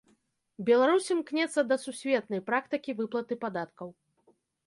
Беларусь імкнецца да сусветнай практыкі выплаты падаткаў.